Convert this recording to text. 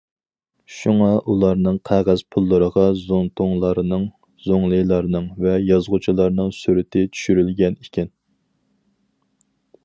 شۇڭا ئۇلارنىڭ قەغەز پۇللىرىغا زۇڭتۇڭلارنىڭ، زۇڭلىلارنىڭ ۋە يازغۇچىلارنىڭ سۈرىتى چۈشۈرۈلگەن ئىكەن.